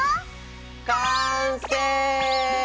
完成！